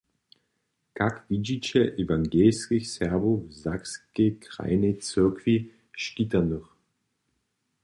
Kak widźiće ewangelskich Serbow w sakskej krajnej cyrkwi škitanych?